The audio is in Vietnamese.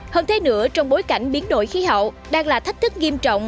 hơn thế nữa trong bối cảnh biến đổi khí hậu đang là thách thức nghiêm trọng